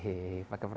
ini gak patah nih bang